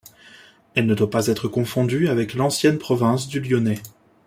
Elle ne doit pas être confondue avec l'ancienne province du Lyonnais.